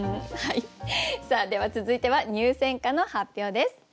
さあでは続いては入選歌の発表です。